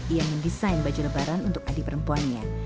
ia mendesain baju lebaran untuk adik perempuannya